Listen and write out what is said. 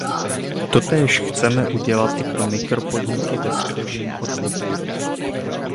Totéž chceme udělat i pro mikropodniky ve stavebním odvětví.